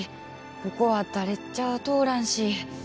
ここは誰ちゃあ通らんし。